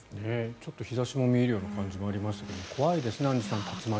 ちょっと日差しも見えるような感じもありましたが怖いですね、アンジュさん竜巻。